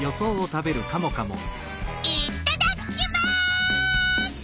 いっただっきます！